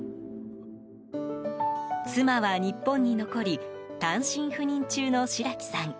妻は日本に残り単身赴任中の白木さん。